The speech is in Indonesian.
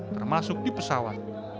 termasuk di pesawat